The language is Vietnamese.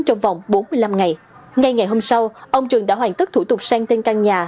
trong vòng bốn mươi năm ngày ngay ngày hôm sau ông trường đã hoàn tất thủ tục sang tên căn nhà